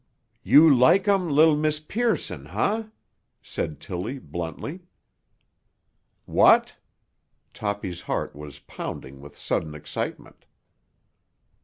"You like um li'l Miss Pearson, huh?" said Tilly bluntly. "What?" Toppy's heart was pounding with sudden excitement.